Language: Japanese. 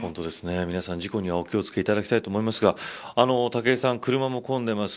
皆さん、事故にはお気を付けていただきたいと思いますが武井さん、車も混んでます。